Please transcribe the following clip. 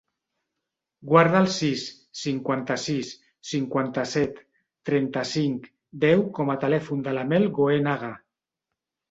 Guarda el sis, cinquanta-sis, cinquanta-set, trenta-cinc, deu com a telèfon de la Mel Goenaga.